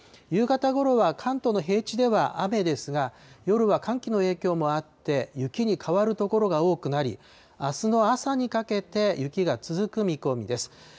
夕方ごろは関東の平地では雨ですが、夜は寒気の影響もあって、雪に変わる所が多くなり、あすの朝にかけて雪が続く見込みです。